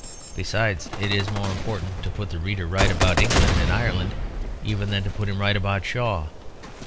Besides, it is more important to put the reader right about England and Ireland even than to put him right about Shaw.